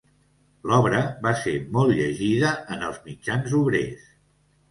L'obra va ser molt llegida en els mitjans obrers.